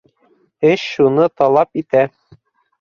Эш шуны талап итә.